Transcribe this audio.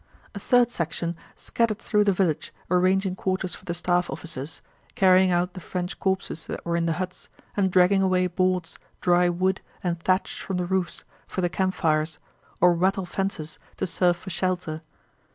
A third section scattered through the village arranging quarters for the staff officers, carrying out the French corpses that were in the huts, and dragging away boards, dry wood, and thatch from the roofs, for the campfires, or wattle fences to serve for shelter.